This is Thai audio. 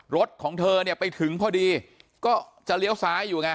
รถของเธอเนี่ยไปถึงพอดีก็จะเลี้ยวซ้ายอยู่ไง